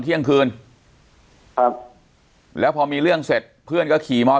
เที่ยงคืนครับแล้วพอมีเรื่องเสร็จเพื่อนก็ขี่มอ